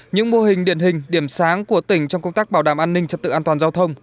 những mô hình điển hình điểm sáng của tỉnh trong công tác bảo đảm an ninh trật tự an toàn giao thông